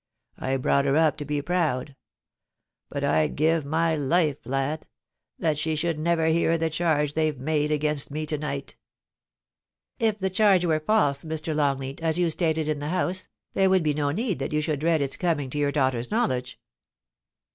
I brought her up to be proud — but I'd give my life, lad, that she should never hear the charge they've made against me to night' ' If the charge were false, Mr. Longleat, as you stated in the House, there would be no need that you should dread its coming to your daughter's knowledge.'